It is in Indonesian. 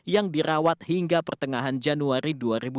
yang dirawat hingga pertengahan januari dua ribu dua puluh